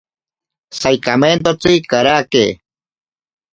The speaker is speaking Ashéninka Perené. Saikamentotsi karake.